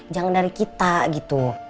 jangan dari kita gitu